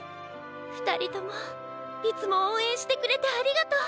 ふたりともいつもおうえんしてくれてありがとう。